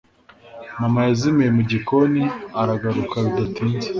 mama yazimiye mu gikoni aragaruka bidatinze